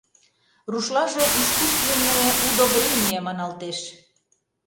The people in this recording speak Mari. Рушлаже «искусственное удобрение» маналтеш.